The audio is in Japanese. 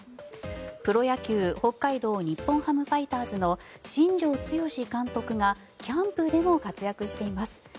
プロ野球北海道日本ハムファイターズの新庄剛志監督がキャンプでも活躍しています。